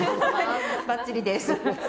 ばっちりです。